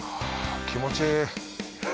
気持ちいい。